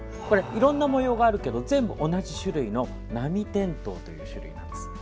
いろんな模様があるけど全部同じ種類のナミテントウという種類です。